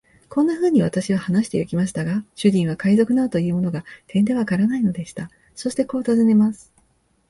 こんなふうに私は話してゆきましたが、主人は海賊などというものが、てんでわからないのでした。そしてこう尋ねます。